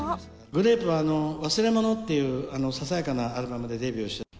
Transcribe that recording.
グレープはわすれものっていうささやかなアルバムでデビューして。